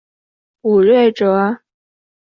卜睿哲。